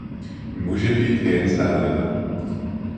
Může být i jen zdánlivé.